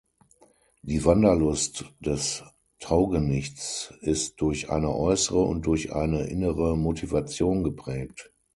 Die Wanderlust des Taugenichts ist durch eine äußere und durch eine innere Motivation geprägt.